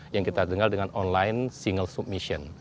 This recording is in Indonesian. yang kita dengar dengan online single submission